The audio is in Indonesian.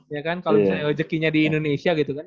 iya kan kalau misalnya rezekinya di indonesia gitu kan